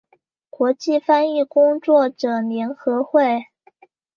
国际翻译工作者联合会